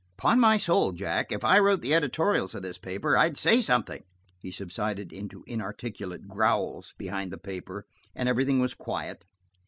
Upon my soul, Jack, if I wrote the editorials of this paper, I'd say something." He subsided into inarticulate growls behind the paper, and everything was quiet.